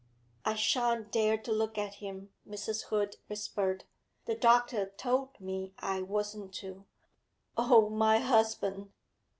'I shan't dare to look at him!' Mrs. Hood whispered. 'The doctor told me I wasn't to. Oh, my husband!'